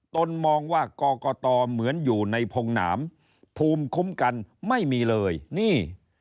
ตนมองว่ากรกตเหมือนอยู่ในพงหนามภูมิคุ้มกันไม่มีเลยนี่